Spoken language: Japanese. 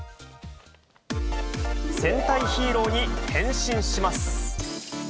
戦隊ヒーローに変身します。